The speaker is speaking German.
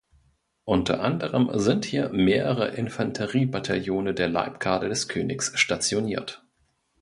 Unter anderem sind hier mehrere Infanteriebataillone der Leibgarde des Königs stationiert.